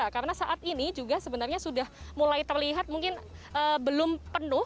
karena saat ini juga sebenarnya sudah mulai terlihat mungkin belum penuh